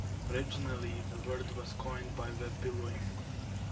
Originally the word was coined by the Biluim.